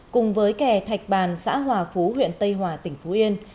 cùng với kè thạch bàn xã hòa phú huyện tây hòa tỉnh phú yên